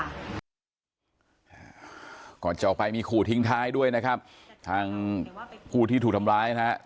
ก่อนจะออกไปมีขู่ทิ้งท้ายด้วยนะครับทางผู้ที่ถูกทำร้ายนะครับ